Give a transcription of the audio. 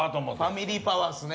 ファミリーパワーっすねやっぱ。